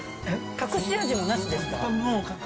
隠し味もなしですか？